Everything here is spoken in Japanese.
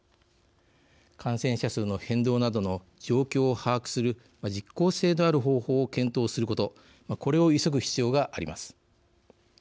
感染者数の変動などの状況を把握する実効性のある方法を検討することこれを急ぐ必要があります。